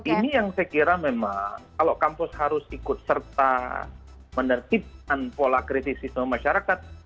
ini yang saya kira memang kalau kampus harus ikut serta menertibkan pola kritisisme masyarakat